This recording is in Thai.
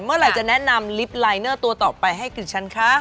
เมื่อไหร่จะแนะนำลิฟต์ลายเนอร์ตัวต่อไปให้กับฉันคะ